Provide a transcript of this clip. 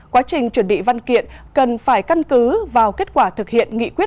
quá trình chuẩn bị văn kiện cần phải căn cứ vào kết quả thực hiện nghị quyết